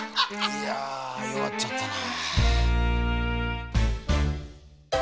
いやよわっちゃったな。